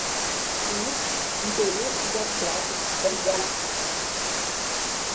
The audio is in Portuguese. Os interesses das classes oligárquicas